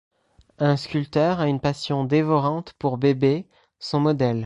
Un sculpteur a une passion dévorante pour Bebe, son modèle.